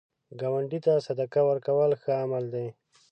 ګاونډي ته صدقه ورکول ښه عمل دی